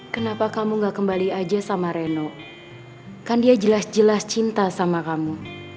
kenapa kamu gak kembali aja sama reno kan dia jelas jelas cinta sama kamu